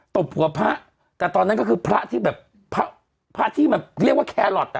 ตบหัวพระแต่ตอนนั้นก็คือพระที่แบบพระพระที่มันเรียกว่าแครอทอ่ะ